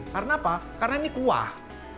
karena apa karena ini kuah